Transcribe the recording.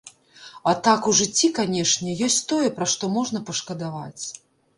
А так у жыцці, канечне, ёсць тое, пра што можна пашкадаваць.